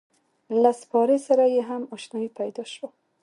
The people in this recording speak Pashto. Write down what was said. له سپارې سره یې هم اشنایي پیدا شوه.